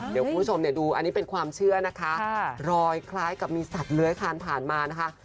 เดี๋ยวคุณผู้ชมดูอันนี้เป็นความเชื่อนะคะรอยคล้ายกับมีสัตว์เลื้อยคานผ่านมานะคะ